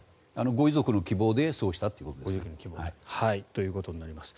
ご遺族の希望でそうしたということです。ということです。